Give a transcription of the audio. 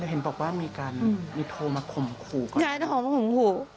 แล้วเห็นบอกว่ามีการมีโทรมาคมคู่ก่อนได้โทรมาคมคู่